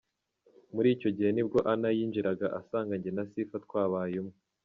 Muri icyo gihe nibwo na Anna yinjiraga asanga jye na Sifa twabaye umwe.